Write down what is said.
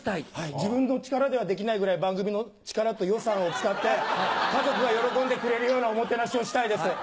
自分の力ではできないぐらい番組の力と予算を使って家族が喜んでくれるようなおもてなしをしたいです。